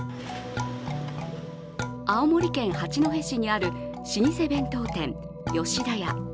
青森県八戸市にある老舗弁当店、吉田屋。